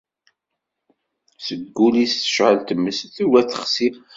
Deg wul-is tecɛel tmes, tugi ad texsi.